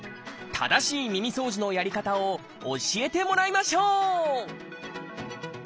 正しい耳そうじのやり方を教えてもらいましょう！